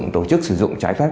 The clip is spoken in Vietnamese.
tổ chức sử dụng trái phép